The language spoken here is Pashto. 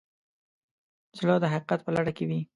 زړه د حقیقت په لټه کې وي.